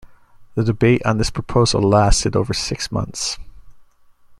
The debate on this proposal lasted over six months.